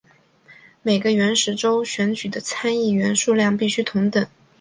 每个原始州选举的参议员数量必须同等。